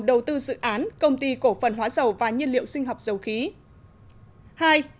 đầu tư dự án công ty cổ phần hóa dầu và nhiên liệu sinh học dầu khí